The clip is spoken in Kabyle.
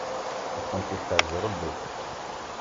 Ad kent-yeḥrez Ṛebbi.